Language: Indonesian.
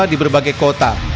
di berbagai kota